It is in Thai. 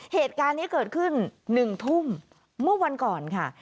เหตุการณ์นี้เกิดขึ้น๑ทุ่มเมื่อวันก่อนค่ะ